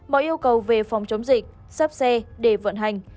mọi yêu cầu về phòng chống dịch sắp xe để vận hành